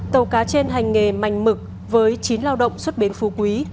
tàu cá trên hành nghề mạnh mực với chín lao động xuất bến phú quý